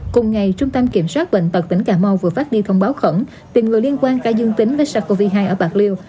cùng ngày trung tâm kiểm soát bệnh tật tp hcm vừa phát đi thông báo khẩn tìm người liên quan ca dương tính với sars cov hai ở bạc liêu